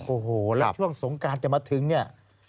โอ้โหแล้วช่วงสงการจะมาถึงเนี่ย